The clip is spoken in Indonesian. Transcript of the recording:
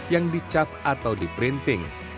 yang dicap atau dibatik